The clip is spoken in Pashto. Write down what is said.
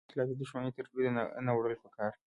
اختلاف یې د دوښمنۍ تر بریده نه وړل پکار.